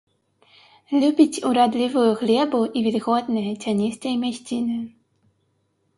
Любіць урадлівую глебу і вільготныя, цяністыя мясціны.